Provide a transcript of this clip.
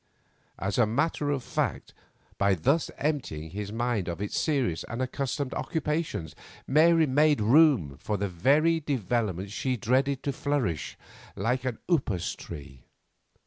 As a matter of fact, by thus emptying his mind of its serious and accustomed occupations, Mary made room for the very development she dreaded to flourish like an upas tree.